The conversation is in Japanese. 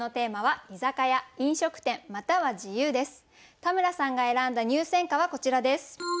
田村さんが選んだ入選歌はこちらです。